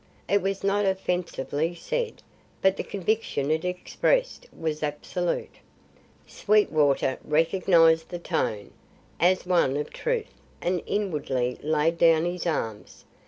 It was not offensively said; but the conviction it expressed was absolute. Sweetwater recognised the tone, as one of truth, and inwardly laid down his arms.